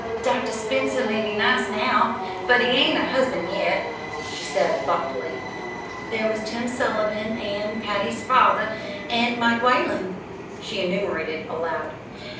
"Dr. Spencer may be nice now, but he ain't a husband yet," she said, thoughtfully. "There was Tim Sullivan and Patty's father and Mike Whalen," she enumerated aloud.